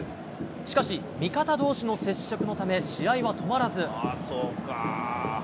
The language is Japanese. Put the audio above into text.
しかし、味方どうしの接触のため、試合は止まらず。